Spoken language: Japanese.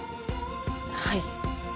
はい。